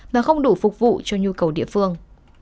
mà không đủ phục vụ cho nhu cầu địa phương